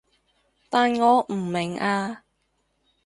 但我唔明啊